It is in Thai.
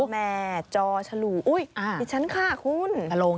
แม่จอฉลูอุ๊ยดิฉันค่ะคุณ